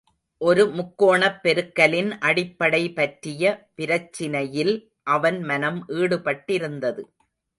ஒரு முக்கோணப் பெருக்கலின் அடிப்படைபற்றிய பிரச்சினையில் அவன் மனம் ஈடுபட்டிருந்தது.